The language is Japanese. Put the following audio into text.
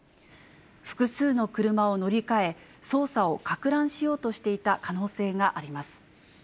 複数の車を乗り換え、捜査をかく乱しようとしていた可能性があります。